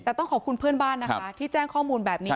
แต่ต้องขอบคุณเพื่อนบ้านนะคะที่แจ้งข้อมูลแบบนี้